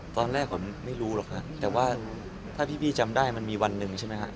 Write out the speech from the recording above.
ตอนแรกผมไม่รู้หรอกครับแต่ว่าถ้าพี่จำได้มันมีวันหนึ่งใช่ไหมครับ